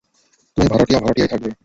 তুমি ভাড়াটিয়া, ভাড়াটিয়াই থাকবা।